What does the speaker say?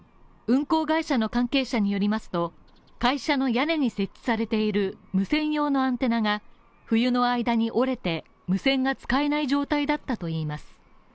運航会社の関係者によりますと会社の屋根に設置されている無線用のアンテナが冬の間に折れて無線が使えない状態だったといいます。